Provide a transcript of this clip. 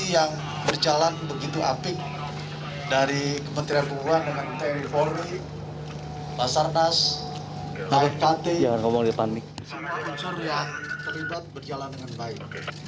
yang berjalan begitu apik dari kementerian kebuangan dengan tni polri pasar nas bapak kt semua unsur yang terlibat berjalan dengan baik